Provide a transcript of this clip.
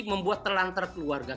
membuat telang terkeluarga